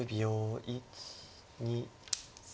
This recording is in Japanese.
１２３。